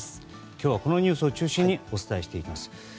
今日は、このニュースを中心に、お伝えしていきます。